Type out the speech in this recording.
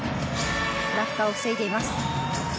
落下を防いでいます。